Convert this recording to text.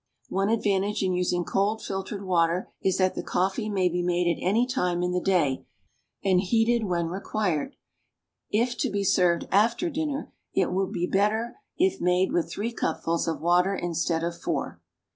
One advantage in using cold filtered water is that the coffee may be made at any time in the day, and heated when required. If to be served after dinner, it will be better if made with three cupfuls of water instead of four.